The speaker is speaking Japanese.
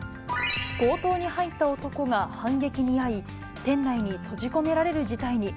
強盗に入った男が反撃にあい、店内に閉じ込められる事態に。